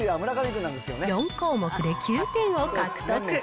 ４項目で９点を獲得。